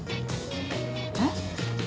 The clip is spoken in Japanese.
えっ。